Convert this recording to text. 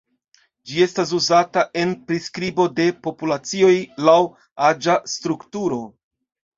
Ĝi estas uzata en priskribo de populacioj laŭ aĝa strukturo.